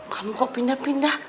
kamu kok pindah pindah